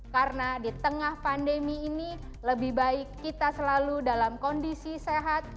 karena di tengah pandemi ini lebih baik kita selalu dalam kondisi sehat